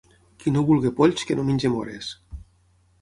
Qui no vulgui polls que no mengi mores.